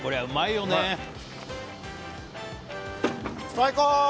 最高！